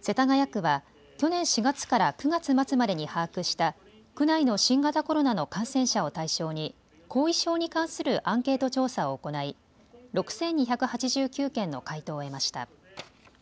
世田谷区は去年４月から９月末までに把握した区内の新型コロナの感染者を対象に後遺症に関するアンケート調査を行い６２８９件の回答を得ました。